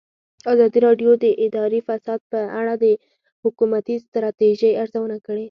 ازادي راډیو د اداري فساد په اړه د حکومتي ستراتیژۍ ارزونه کړې.